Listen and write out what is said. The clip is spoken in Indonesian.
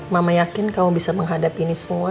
mama yakin kamu bisa menghadapi ini semua